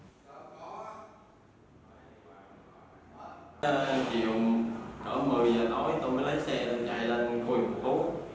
chiều cỡ một mươi h tối tôi mới lấy xe lên chạy lên khu vực hòa phú